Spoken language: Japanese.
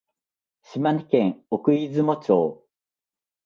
島根県奥出雲町